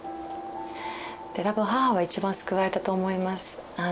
で多分母は一番救われたと思います。